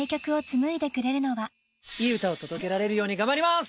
いい歌を届けられるように頑張ります！